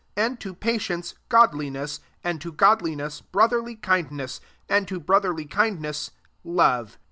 and to patience godliness, 7 and to godliness brotherly kindness, and to brotherly kindness love.